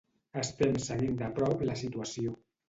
Estem seguint de prop la situació